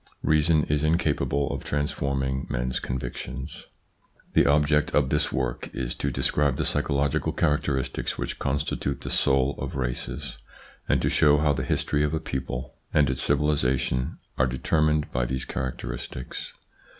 Reason is incapable of transforming men's convictions. The object of this work is to describe the psycho logical characteristics which constitute the soul of races, and to show how the history of a people and its civilisation are determined by these characteristics.